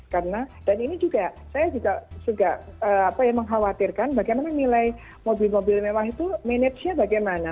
karena dan ini juga saya juga mengkhawatirkan bagaimana nilai mobil mobil mewah itu managenya bagaimana